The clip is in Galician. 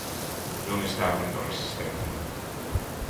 Non está habendo resistencia.